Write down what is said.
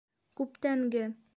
Күптәнге...